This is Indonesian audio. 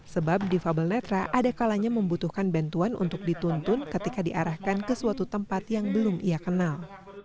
sebab difabel netra adekalanya membutuhkan bantuan untuk dituntun ketika diarahkan ke suatu tempat yang belum ia kenal